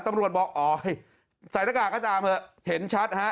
ตำรวจบอกอ๋อใส่หน้ากากก็ตามเถอะเห็นชัดฮะ